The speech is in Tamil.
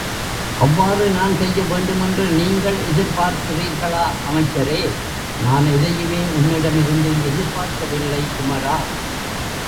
அவ்வாறு நான் செய்ய வேண்டுமென்று நீங்கள் எதிர்பார்க்கிறீர்களா அமைச்சரே? நான் எதையுமே உன்னிடம் இருந்து எதிர்பார்க்கவில்லை குமரா!